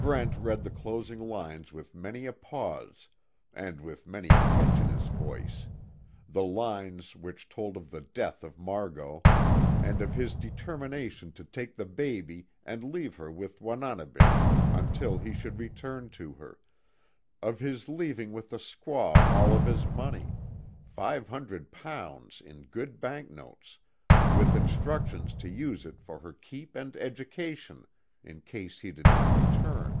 Brent read the closing lines with many a pause, and with many a catch in his voice the lines which told of the death of Margot, and of his determination to take the baby and leave her with Wananebish until he should return to her, of his leaving with the squaw all of his money five hundred pounds in good bank notes, with instructions to use it for her keep and education in case he did not return.